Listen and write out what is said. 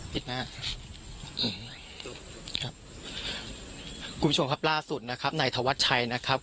กลุ่มผู้ชมครับล่าสุดนะครับในถวัดชัยนะครับ